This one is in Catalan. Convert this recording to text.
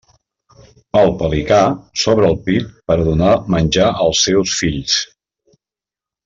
El pelicà s'obre el pit per a donar menjar als seus fills.